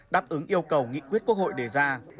đáp ứng yêu cầu nghị quyết quốc hội đề ra